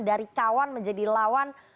dari kawan menjadi lawan